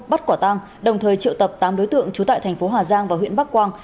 bắt quả tang đồng thời triệu tập tám đối tượng trú tại thành phố hà giang và huyện bắc quang